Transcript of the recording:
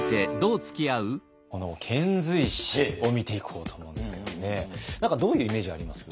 この遣隋使を見ていこうと思うんですけどもね何かどういうイメージあります？